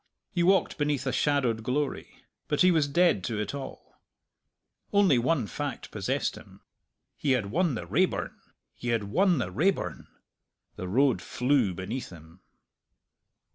He walked beneath a shadowed glory. But he was dead to it all. One only fact possessed him. He had won the Raeburn he had won the Raeburn! The road flew beneath him.